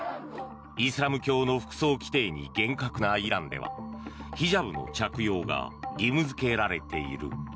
イスラム教の服装規定に厳格なイランではヒジャブの着用が義務付けられている。